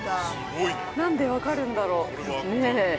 なんで分かるんだろう。